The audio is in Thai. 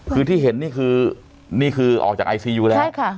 คือที่เห็นนี่คือนี่คือออกจากไอซียูแล้วใช่ค่ะ